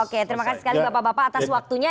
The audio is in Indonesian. oke terima kasih sekali bapak bapak atas waktunya